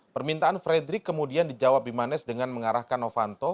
permintaan fredrik kemudian dijawab bimanes dengan mengarahkan stianofanto